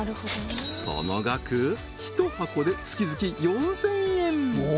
その額１箱で月々４０００円